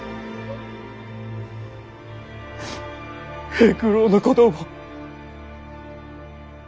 平九郎のことも。